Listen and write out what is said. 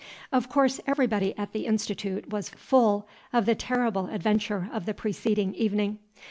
Of course everybody at the Institute was full of the terrible adventure of the preceding evening.